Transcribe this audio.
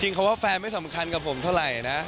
คำว่าแฟนไม่สำคัญกับผมเท่าไหร่นะ